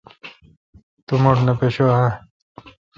تو مہ ٹھ نہ پشہ اہ؟